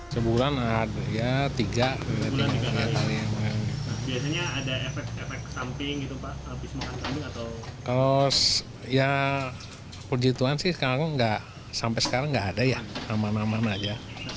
sebenarnya perjituan sih sampai sekarang tidak ada ya aman aman saja